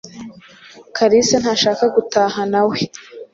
Kalisa ntashaka gutaha nawe.